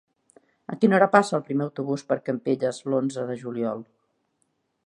A quina hora passa el primer autobús per Campelles l'onze de juliol?